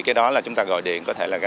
cái đó là chúng ta gọi điện có thể là